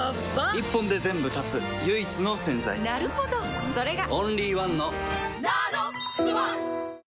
一本で全部断つ唯一の洗剤なるほどそれがオンリーワンの「ＮＡＮＯＸｏｎｅ」